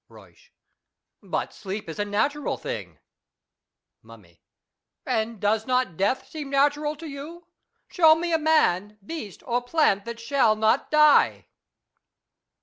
Euysch. But sleep is a natural thing. Mummy. And does not death seem natural to you ? Show me a man, beast, or plant that shall not die.